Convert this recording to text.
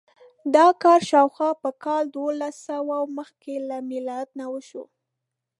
دا کار شاوخوا په کال دوولسسوه مخکې له میلاد نه وشو.